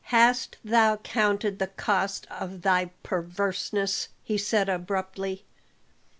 "Hast thou counted the cost of thy perverseness?" he said abruptly.